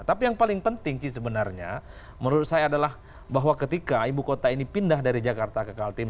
tapi yang paling penting sih sebenarnya menurut saya adalah bahwa ketika ibu kota ini pindah dari jakarta ke kaltim